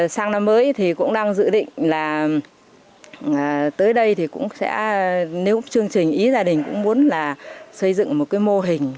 sang năm mới thì cũng đang dự định là tới đây thì cũng sẽ nếu chương trình ý gia đình cũng muốn là xây dựng một cái mô hình